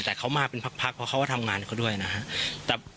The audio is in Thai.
แต่เขามาเป็นพักเพราะเขาก็ทำงานเขาด้วยนะครับ